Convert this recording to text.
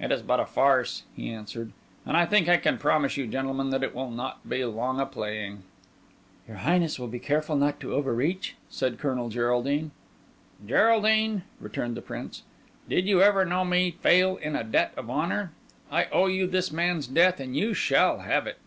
"It is but a farce," he answered; "and I think I can promise you, gentlemen, that it will not be long a playing." "Your Highness will be careful not to over reach," said Colonel Geraldine. "Geraldine," returned the Prince, "did you ever know me fail in a debt of honour? I owe you this man's death, and you shall have it."